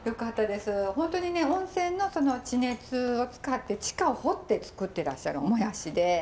本当にね温泉の地熱を使って地下を掘って作ってらっしゃるもやしで。